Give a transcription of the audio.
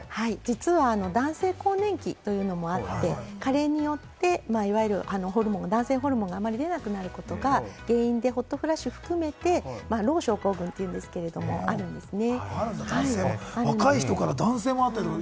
実は男性更年期というのもあって、加齢によって、いわゆるホルモン、男性ホルモンが出なくなることが原因でホットフラッシュ含めて、ロウ症候群というですけれども、あるんですね。